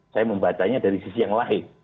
saya membacanya dari sisi yang lain